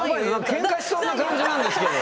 ケンカしそうな感じなんですけど。